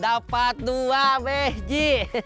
dapet dua behji